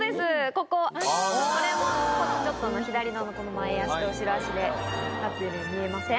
これも左の前足と後ろ足で立ってるように見えません？